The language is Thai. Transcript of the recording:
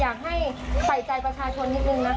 อยากให้ใส่ใจประชาชนนิดนึงนะ